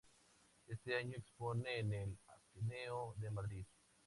Este año expone en el Ateneo de Madrid.